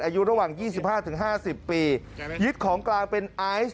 อายุระหว่าง๒๕๕๐ปียึดของกลางเป็นไอซ์